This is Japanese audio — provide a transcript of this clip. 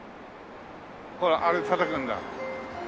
ほらあれでたたくんだ。